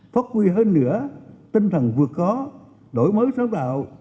phát huy hơn nữa tinh thần vượt có đổi mới sáng tạo